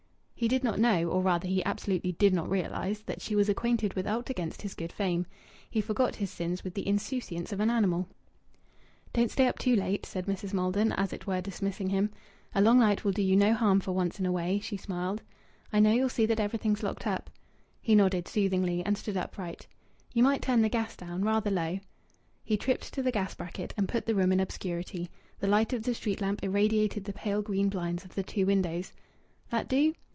He did not know, or rather he absolutely did not realize, that she was acquainted with aught against his good fame. He forgot his sins with the insouciance of an animal. "Don't stay up too late," said Mrs. Maldon, as it were dismissing him. "A long night will do you no harm for once in a way." She smiled. "I know you'll see that everything's locked up." He nodded soothingly, and stood upright. "You might turn the gas down, rather low." He tripped to the gas bracket and put the room in obscurity. The light of the street lamp irradiated the pale green blinds of the two windows. "That do?"